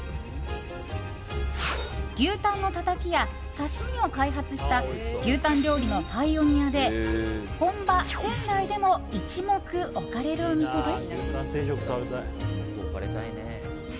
牛タンのたたきや刺し身を開発した牛タン料理のパイオニアで本場・仙台でも一目置かれるお店です。